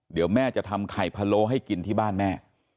เดี๋ยวแม่จะทำไข่พะโล้ให้กินที่บ้านแม่